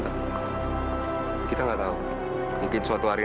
terus kenapa kamu nggak puas puas sih